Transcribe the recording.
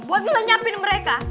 buat ngelenyapin mereka